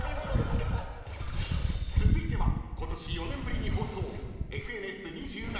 ［続いてはことし４年ぶりに放送］